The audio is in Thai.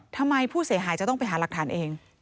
ทำไมผู้เสียหายจะต้องไปหาหลักฐานเอง